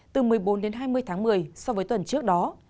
từ một mươi bốn đến hai mươi tháng một mươi so với tuần trước đó